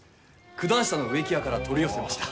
九段下の植木屋から取り寄せました。